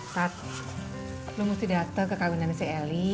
tat lo mesti dateng ke kawinannya si eli